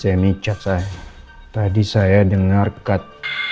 semi cat saya tadi saya dengar cut